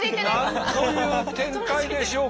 なんという展開でしょうか。